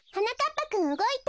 ぱくんうごいた。